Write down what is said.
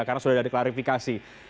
karena sudah ada klarifikasi